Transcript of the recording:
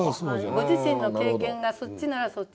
ご自身の経験がそっちならそっちでもいいです。